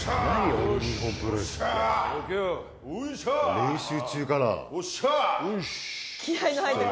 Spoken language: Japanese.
練習中かな。